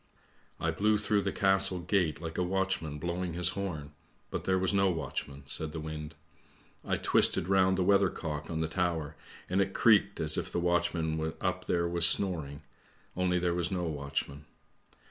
" I blew through the castle gate like a watchman blowing his horn, but there was no watchman," said the wind. " I twisted round the weather cock on the tower and it creaked as if the watchman up there was snoring, only there was no watch man.